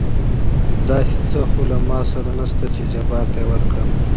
داسې څه خو له ما سره نشته چې جبار ته يې ورکړم.